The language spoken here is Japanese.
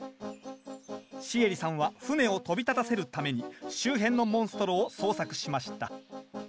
シエリさんは船を飛び立たせるために周辺のモンストロを捜索しました。